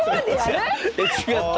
⁉え違った？